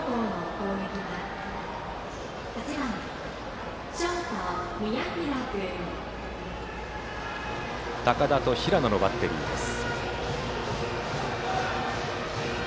いなべ総合高田と平野のバッテリーです。